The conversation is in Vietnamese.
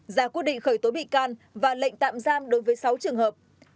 ra quyết định khởi tố bị can và lệnh tạm giam đối với sáu trường hợp